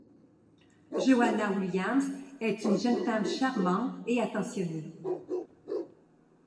Joanna Williams est une jeune femme charmante et attentionnée.